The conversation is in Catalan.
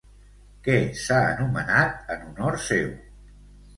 Què s'ha anomenat en honor seu?